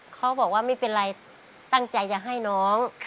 เขาบอกว่าไม่เป็นไรตั้งใจจะให้น้อง